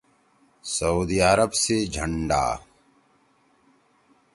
صعودی عرب سی جھندا